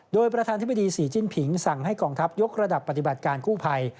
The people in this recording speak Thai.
โดยประธานธิบดีศรีจิ้นผิงสั่งให้กองทัพยกระดับปฏิบัติการกู้ภัย